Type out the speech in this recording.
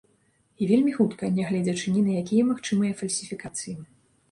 І вельмі хутка, нягледзячы ні на якія магчымыя фальсіфікацыі.